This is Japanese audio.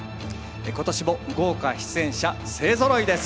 今年も豪華出演者勢ぞろいです！